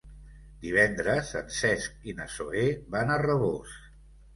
Divendres en Cesc i na Zoè van a Rabós.